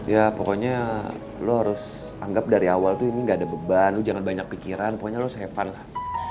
ya pokoknya lo harus anggap dari awal tuh ini gak ada beban lu jangan banyak pikiran pokoknya lo se fun lah